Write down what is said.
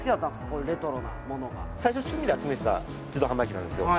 こういうレトロなものが最初趣味で集めてた自動販売機なんですよ